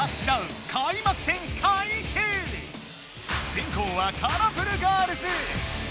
せんこうはカラフルガールズ。